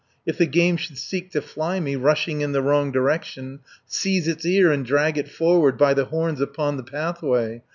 If the game should seek to fly me, Rushing in the wrong direction, Seize its ear, and drag it forward By the horns upon the pathway.